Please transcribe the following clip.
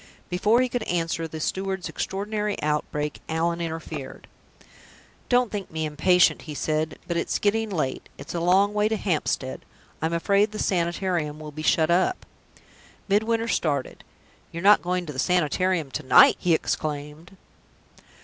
Before he could answer the steward's extraordinary outbreak, Allan interfered. "Don't think me impatient," he said; "but it's getting late; it's a long way to Hampstead. I'm afraid the Sanitarium will be shut up." Midwinter started. "You are not going to the Sanitarium to night!" he exclaimed.